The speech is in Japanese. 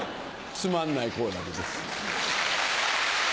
つまんない好楽です。